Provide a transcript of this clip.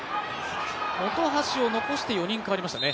本橋を残して４人代わりましたね。